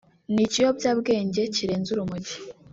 ni ikiyobyabwenge kirenze urumogi